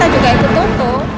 toh kita juga itu tutup